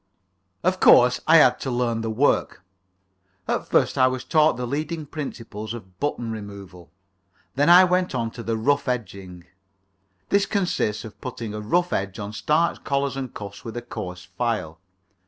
Of course, I had to learn the work. At first I was taught the leading principles of button removal. Then I went on to the rough edging. This consists in putting a rough edge on starched collars and cuffs with a coarse file.